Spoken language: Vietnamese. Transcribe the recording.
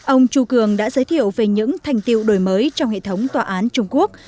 ông chu cường đã giới thiệu về những thành tiệu đổi mới trong hệ thống tòa án trung quốc